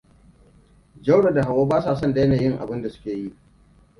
Jauro da Hauwa ba sa son daina yin abinda suke yi.